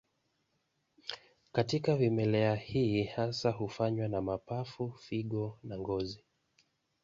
Katika vimelea hii hasa hufanywa na mapafu, figo na ngozi.